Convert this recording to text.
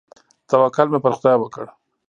توکل مې پر خداى وکړ.